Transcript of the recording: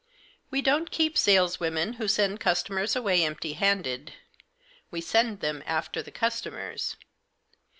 We don't keep sales women who send customers away empty handed ; we send them after the customers.